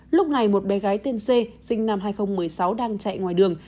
lúc này một bé gái tên c sinh năm hai nghìn một mươi sáu đang chạy ngoài đường